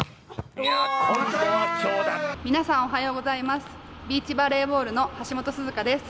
皆さん、おはようございますビーチバレーボールの橋本涼加です。